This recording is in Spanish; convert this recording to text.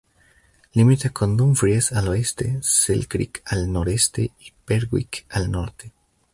Limita con Dumfries al oeste, Selkirk al noroeste, y Berwick al norte.